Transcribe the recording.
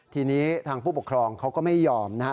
ทีนี้ทางผู้ปกครองเขาก็ไม่ยอมนะครับ